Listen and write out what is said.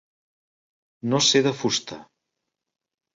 No ser de fusta.